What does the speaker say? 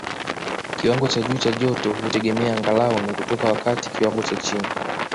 Kiwango cha juu cha joto hutegemea angalau ni kutoka wakati kiwango cha chini